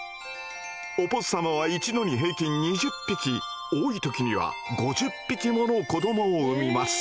オポッサムは一度に平均２０匹多い時には５０匹もの子どもを産みます。